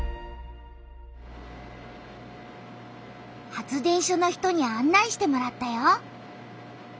発電所の人にあん内してもらったよ。